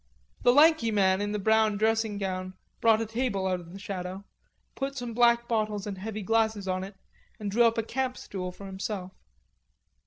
The lanky man in the brown dressing gown brought a table out of the shadow, put some black bottles and heavy glasses on it, and drew up a camp stool for himself.